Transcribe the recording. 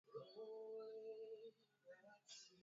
Kiwango cha kusababisha vifo kwa ugonjwa wa mkojo damu